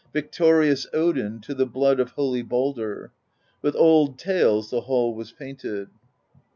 Victorious Odin To the blood of holy Baldr. With old tales the hall was painted.